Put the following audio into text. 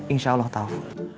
insya allah tau